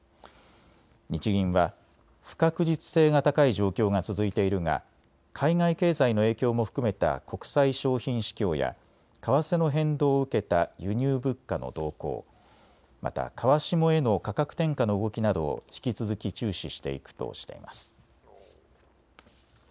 日銀は不確実性が高い状況が続いているが海外経済の影響も含めた国際商品市況や為替の変動を受けた輸入物価の動向、また川下への価格転嫁の動きなどを引き続き注視していくとしています。